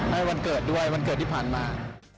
ให้วันเกิดด้วยวันเกิดที่ผ่านมา